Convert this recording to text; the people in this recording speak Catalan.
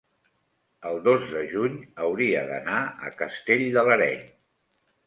el dos de juny hauria d'anar a Castell de l'Areny.